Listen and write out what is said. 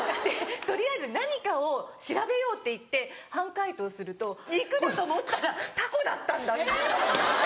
取りあえず何かを調べようっていって半解凍すると肉だと思ったらタコだったんだ。